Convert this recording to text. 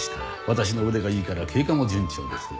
私の腕がいいから経過も順調です。